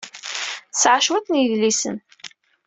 Tesɛa cwiṭ n yedlisen.